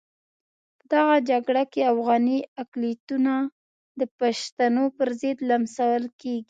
په دغه جګړه کې افغاني اقلیتونه د پښتنو پرضد لمسول کېږي.